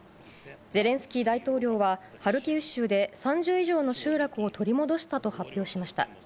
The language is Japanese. ゼレンスキー大統領は、ハルキウ州で３０以上の集落を取り戻したと発表しました。